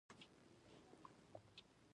خوړل د دوستي او محبت رمز دی